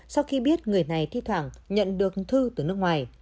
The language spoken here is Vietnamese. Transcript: sau khi biết người này thi thoảng nhận được thư từ nước ngoài